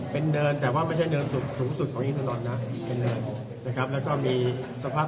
เป็นเนินแต่ว่าไม่ใช่เนินสูงสุดของอีก